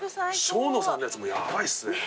生野さんのやつもヤバいっすね。